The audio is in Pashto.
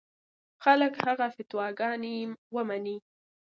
خلک هغه فتواګانې ومني.